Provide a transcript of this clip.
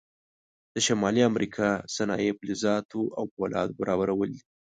د شمالي امریکا صنایع فلزاتو او فولادو برابرول دي.